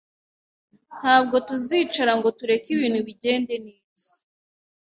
Ntabwo tuzicara ngo tureke ibintu bigende neza